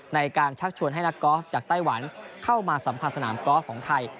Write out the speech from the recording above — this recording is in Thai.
ในการชักชวนให้นักกอล์ฟจากไต้หวันเข้ามาสัมผัสสนามกอล์ฟของไทย